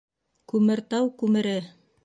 Күмертау күмере!